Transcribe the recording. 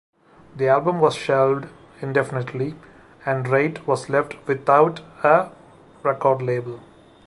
The album was shelved indefinitely, and Raitt was left without a record label.